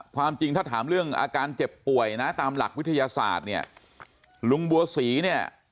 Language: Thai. ความจริงถ้าถามเรื่องอาการเจ็บป่วยนะตามหลักวิทยาศาสตร์เนี่ยลุงบัวศรีเนี่ย